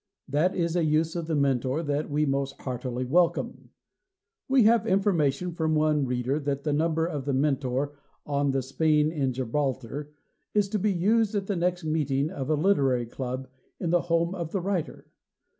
That is a use of The Mentor that we most heartily welcome. We have information from one reader that the number of The Mentor on "Spain and Gibraltar" is to be used at the next meeting of a literary club in the home of the writer.